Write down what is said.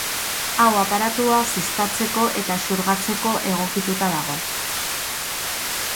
Aho-aparatua ziztatzeko eta xurgatzeko egokituta dago.